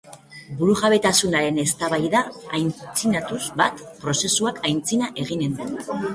Burujabetasunaren eztabaida aitzinatuz bat, prozesuak aitzina eginen du.